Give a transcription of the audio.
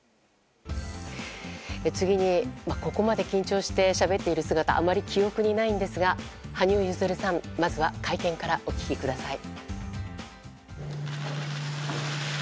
次に、ここまで緊張してしゃべっている姿はあまり記憶にないんですが羽生結弦さん、まずは会見からお聞きください。